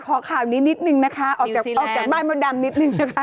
ขอข่าวนี้นิดหนึ่งนะคะออกจากบ้านมดดำนิดหนึ่งนะคะ